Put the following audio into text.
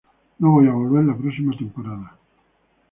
No voy a volver la próxima temporada“.